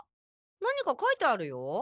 何か書いてあるよ。